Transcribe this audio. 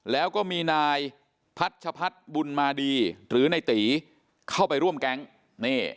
แล้วก็มีนายพัชพัฒน์บุญมาดีหรือในตีเข้าไปร่วมแก๊งนี่